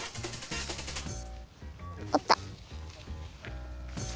あった。